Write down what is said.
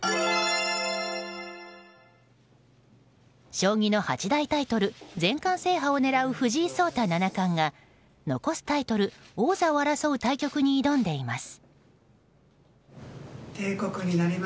将棋の八大タイトル全冠制覇を狙う藤井聡太七冠が残すタイトル、王座を争う対局に挑んでいます。